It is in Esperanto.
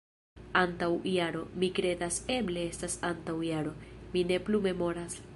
Antaŭ jaro, mi kredas... eble estas antaŭ jaro. Mi ne plu memoras